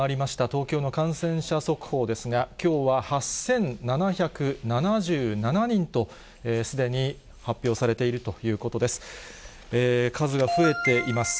東京の感染者速報ですが、きょうは８７７７人と、すでに発表されているということです。